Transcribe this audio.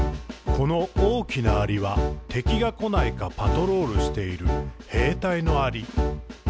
「この大きなアリは、敵がこないか、パトロールしている兵隊のアリ。」